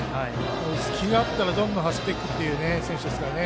隙があったらどんどん走っていく選手ですから。